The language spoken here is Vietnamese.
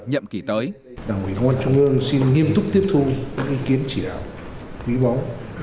nhậm kỳ tới đảng ủy công an trung ương xin nghiêm túc tiếp thu các ý kiến chỉ đạo quý báu